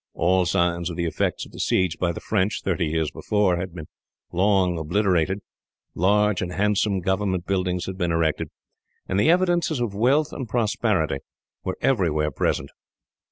All signs of the effects of the siege by the French, thirty years before, had been long since obliterated. Large and handsome government buildings had been erected, and evidences of wealth and prosperity were everywhere present.